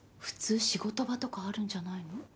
普通仕事場とかあるんじゃないの？